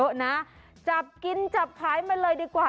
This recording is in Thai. เยอะนะจับกินจับขายมาเลยดีกว่า